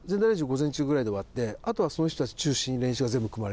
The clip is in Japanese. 午前中ぐらいで終わってあとはその人たち中心に練習が全部組まれていく。